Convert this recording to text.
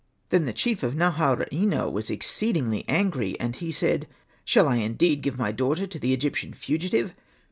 Then the chief of Naharaina was exceeding angry ; and he said, ''Shall I indeed give my daughter to the Egyptian fugitive